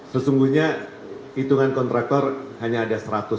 sesungguhnya hitungan kontraktor hanya ada seratus